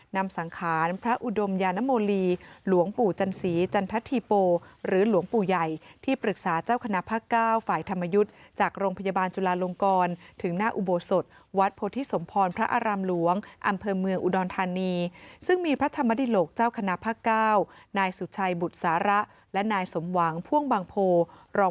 นำสังขารพระอุดมยานโมลีหลวงปู่จันสีจันทธิโปหรือหลวงปู่ใหญ่ที่ปรึกษาเจ้าคณะภาคเก้าฝ่ายธรรมยุทธ์จากโรงพยาบาลจุลาลงกรถึงหน้าอุโบสถวัดโพธิสมพรพระอารามหลวงอำเภอเมืองอุดรธานีซึ่งมีพระธรรมดิโลกเจ้าคณะภาคเก้านายสุชัยบุตรสาระและนายสมหวังพ่วงบางโพรอง